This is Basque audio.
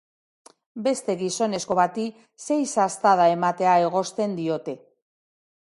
Beste gizonezko bati sei sastada ematea egozten diote.